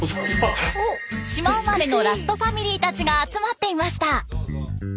島生まれのラストファミリーたちが集まっていました。